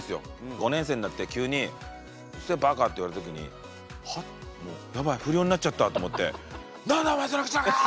５年生になって急に「うるせえバカ」って言われた時に「は？やばい不良になっちゃった」と思って「なんだお前その口の利き方は！」。